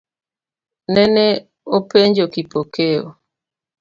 Nene openj Kipokeo.